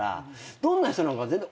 どんな人なのか全然。